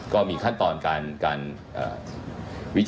ก็มีขั้นตอนการวิธีการให้ครับ